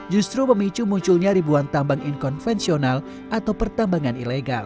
justru memicu munculnya ribuan tambang inkonvensional atau pertambangan ilegal